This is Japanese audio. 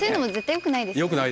よくないですね。